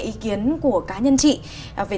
ý kiến của cá nhân chị về